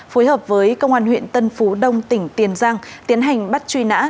phối hợp với công an huyện tân phú đông tỉnh tiền giang tiến hành bắt truy nã